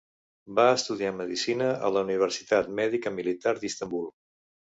Va estudiar Medicina a la Universitat Mèdica Militar d'Istanbul.